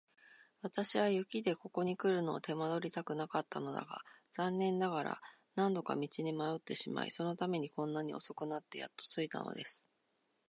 私は雪でここにくるのを手間取りたくなかったのだが、残念ながら何度か道に迷ってしまい、そのためにこんなに遅くなってやっと着いたのです。